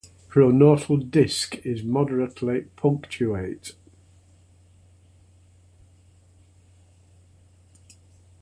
Pronotal disc is moderately punctate.